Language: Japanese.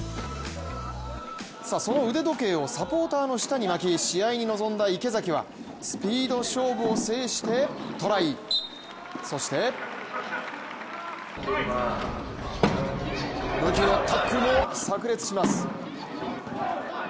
さあ、その腕時計をサポーターの下に巻き試合に臨んだ池崎はスピード勝負を制してトライそして武器のタックルもさく裂します。